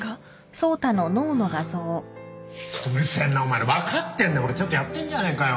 うるせぇなお前ら分かってんだよちゃんとやってんじゃねえかよ